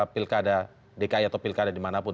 pilkada dki atau pilkada dimanapun